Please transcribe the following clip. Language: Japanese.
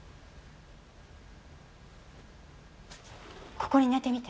ここに寝てみて。